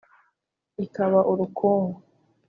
Ikaba urukungu.